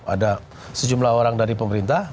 ada sejumlah orang dari pemerintah